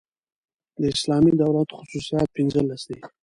د اسلامي دولت خصوصیات پنځلس دي.